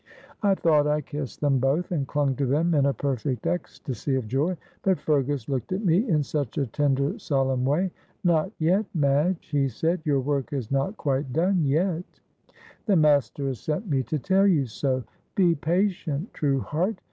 I thought I kissed them both, and clung to them in a perfect ecstasy of joy, but Fergus looked at me in such a tender solemn way. 'Not yet, Madge,' he said, 'your work is not quite done yet; the Master has sent me to tell you so; be patient, true heart.